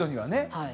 はい。